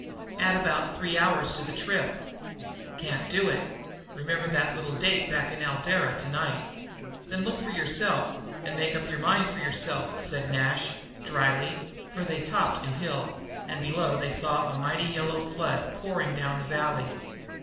"Add about three hours to the trip." "Can't do it; remember that little date back in Eldara to night." "Then look for yourself and make up your mind for yourself," said Nash drily, for they topped a hill, and below them saw a mighty yellow flood pouring down the valley.